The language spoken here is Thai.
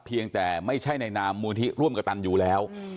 เพียงแต่ไม่ใช่ในนามมูลที่ร่วมกับตันอยู่แล้ว